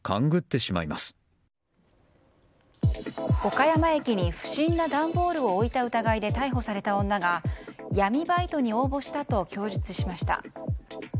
岡山駅に不審な段ボールを置いた疑いで逮捕された女が闇バイトに応募したと供述しました。